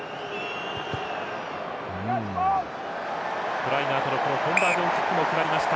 トライのあとのコンバージョンキックも決まりました。